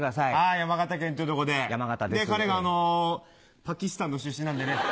山形県という所でで彼があのパキスタンの出身なんでね。